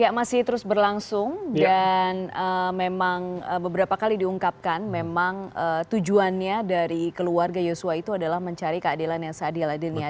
ya masih terus berlangsung dan memang beberapa kali diungkapkan memang tujuannya dari keluarga yosua itu adalah mencari keadilan yang seadil adilnya